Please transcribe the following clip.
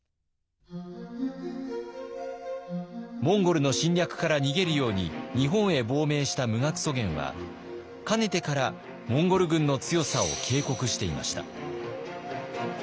モンゴルの侵略から逃げるように日本へ亡命した無学祖元はかねてからモンゴル軍の強さを警告していました。